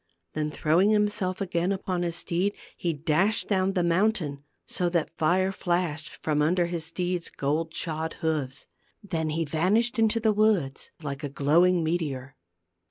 Then throwing himself again upon his steed, he dashed down the mountain, so that fire flashed from under his steed's gold shod hoofs. Then he vanished into the woods like a glowing meteor.